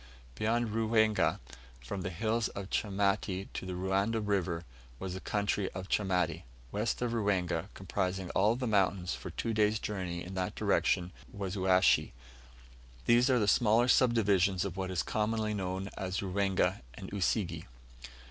Beyond Ruwenga, from the hills of Chamati to the Ruanda River, was the country of Chamati. West of Ruwenga, comprising all the mountains for two days' journey in that direction, was Uashi. These are the smaller sub divisions of what is commonly known as Ruwenga and Usige.